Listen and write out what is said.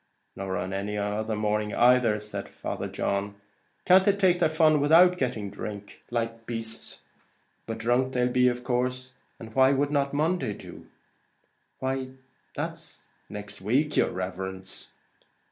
"Nor on any other morning. Can't they take their fun without getting drunk, like beasts? But drunk they'll be, of course. And why would not Monday do?" "Why that's next week, yer riverence!"